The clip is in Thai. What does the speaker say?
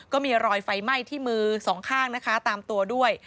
ก็มีรอยไฟไหม้ที่มือสองข้างนะคะตามตัวด้วย